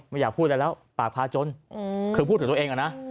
อยากพูดอะไรแล้วปากพาจนคือพูดถึงตัวเองอะนะ